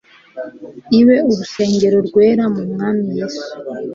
ibe urusengero rwera mu Mwami Yesu